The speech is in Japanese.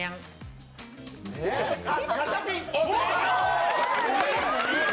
ガチャピン！